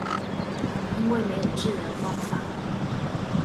因為沒有治療方法